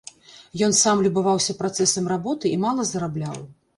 Ён сам любаваўся працэсам работы і мала зарабляў.